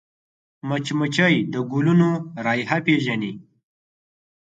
مچمچۍ د ګلونو رایحه پېژني